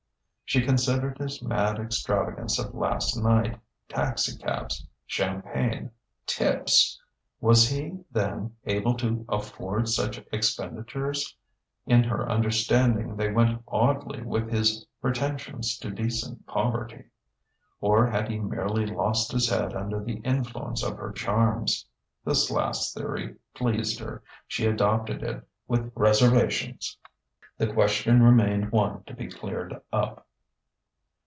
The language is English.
She considered his mad extravagance of last night taxicabs, champagne, tips! Was he, then, able to afford such expenditures? In her understanding they went oddly with his pretensions to decent poverty. Or had he merely lost his head under the influence of her charms? This last theory pleased her; she adopted it with reservations: the question remained one to be cleared up.